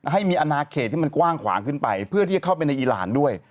ให้มีอนาเขตที่มันกว้างขวางขึ้นไปเพื่อที่จะเข้าไปในอีหลานด้วย